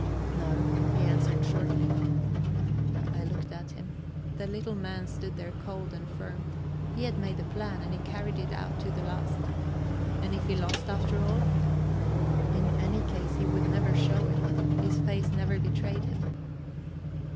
"No," he answered shortly. I looked at him. The little man stood there cold and firm; he had made a plan, and he carried it out to the last. And if he lost after all? In any case, he would never show it; his face never betrayed him.